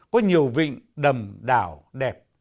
có nhiều vịnh đầm đảo đẹp